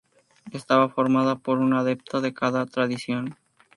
Estaba formada por un adepto de cada Tradición.